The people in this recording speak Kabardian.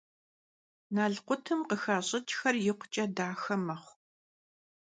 Nalkhutım khıxaş''ç'xeri yikhuç'e daxe mexhu.